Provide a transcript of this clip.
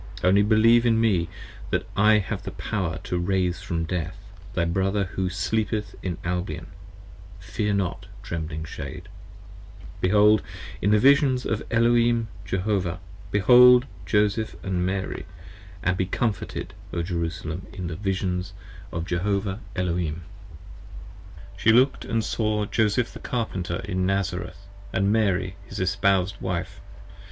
Only believe in me that I have power to raise from death 69 Thy Brother who Sleepeth in Albion: fear not, trembling Shade. p. 6 1 BEHOLD: in the Visions of Elohim Jehovah, behold Joseph & Mary, And be comforted, O Jerusalem, in the Visions of Jehovah Elohim. She looked & saw Joseph the Carpenter in Nazareth, & Mary His espoused Wife.